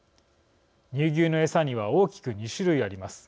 乳牛のエサには大きく２種類あります。